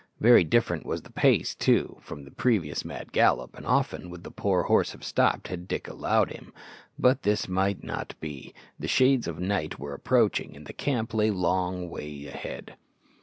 Very different was the pace, too, from the previous mad gallop, and often would the poor horse have stopped had Dick allowed him. But this might not be. The shades of night were approaching, and the camp lay a long way ahead.